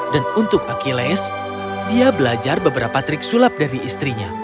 dan untuk achilles dia belajar beberapa trik sulap dari istrinya